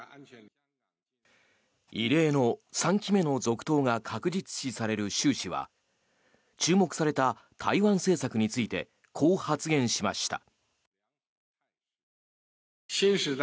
異例の３期目の続投が確実視される習氏は注目された台湾政策についてこう発言しました。